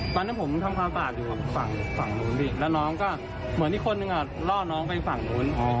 ตอนนี้ผมทำความฝากอยู่ฝั่งโน้นดิแล้วน้องก็เหมือนที่คนหนึ่งล่อน้องไปฝั่งโน้น